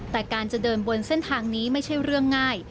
แต่การจะเดินบนเส้นทางนี้ไม่ใช่เรื่องง่าย